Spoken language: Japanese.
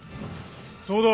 そうだ。